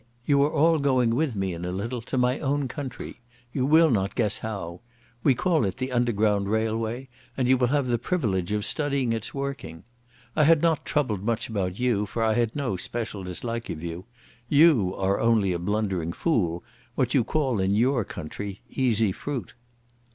You are all going with me in a little to my own country. You will not guess how. We call it the Underground Railway, and you will have the privilege of studying its working.... I had not troubled much about you, for I had no special dislike of you. You are only a blundering fool, what you call in your country easy fruit."